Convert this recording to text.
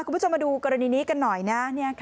คุณผู้ชมมาดูกรณีนี้กันหน่อยนะ